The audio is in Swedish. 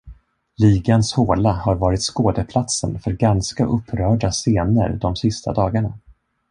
Ligans håla har varit skådeplatsen för ganska upprörda scener de sista dagarna.